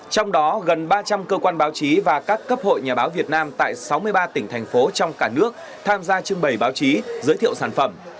trong đó gần ba trăm linh cơ quan báo chí và các cấp hội nhà báo việt nam tại sáu mươi ba tỉnh thành phố trong cả nước tham gia trưng bày báo chí giới thiệu sản phẩm